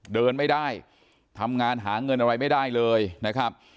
เดินไม่ได้ทำงานหาเงินอะไรไม่ได้เลยนะครับ